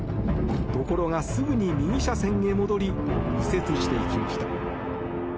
ところが、すぐに右車線へ戻り右折していきました。